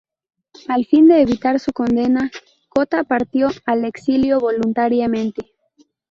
A fin de evitar su condena, Cota partió al exilio voluntariamente.